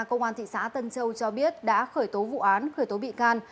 công an thị xã tân châu cho biết đã khởi tố vụ án khởi tố bị can